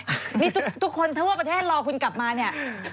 นี่ทุกคนทั่วประเทศรอคุณกลับมาเนี่ย